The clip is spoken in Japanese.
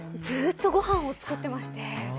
ずっとご飯を作ってまして。